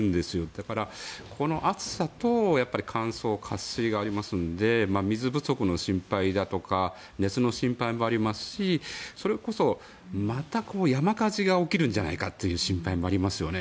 だから、この暑さと乾燥、渇水がありますので水不足の心配だとか熱の心配もありますしそれこそ、また山火事が起きるんじゃないかという心配もありますよね。